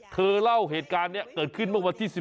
เธอเล่าเหตุการณ์นี้เกิดขึ้นเมื่อวันที่๑๑